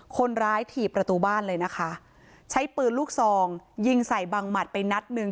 ถีบประตูบ้านเลยนะคะใช้ปืนลูกซองยิงใส่บังหมัดไปนัดหนึ่ง